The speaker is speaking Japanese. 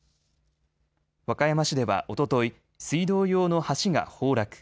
和歌山市ではおととい、水道用の橋が崩落。